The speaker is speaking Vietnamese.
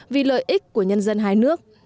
vì lợi ích của nhân dân hai nước